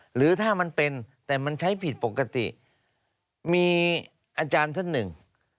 หรือถ้ามันเป็นแต่มันใช้ผิดปกติมีอาจารย์ท่านหนึ่ง